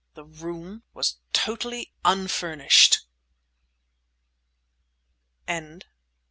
The room was totally unfurnished!